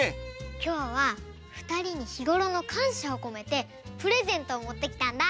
きょうはふたりにひごろのかんしゃをこめてプレゼントをもってきたんだ。